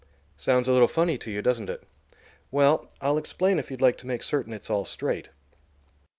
Sounds a little funny to you, doesn't it? Well, I'll explain if you'd like to make certain it's all straight.